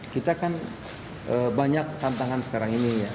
kita kan banyak tantangan sekarang ini ya